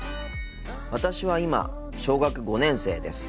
「私は今小学５年生です。